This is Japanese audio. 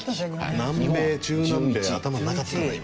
南米中南米頭になかったな今。